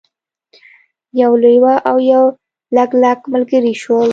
یو لیوه او یو لګلګ ملګري شول.